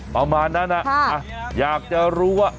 ประมาณนั้นอยากจะรู้ว่า